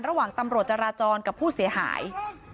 ระหว่างตำรวจจราจรกับผู้เสียหาย